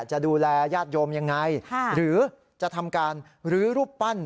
จะดูแลญาติโยมยังไงหรือจะทำการรื้อรูปปั้น